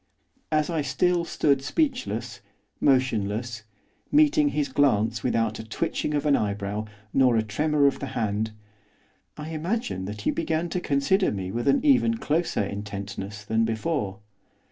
As I still stood speechless, motionless, meeting his glance without a twitching of an eyebrow, nor a tremor of the hand, I imagine that he began to consider me with an even closer intentness than before.